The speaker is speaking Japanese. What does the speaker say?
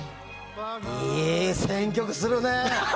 いい選曲するね！